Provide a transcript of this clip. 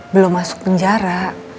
belum masuk penjara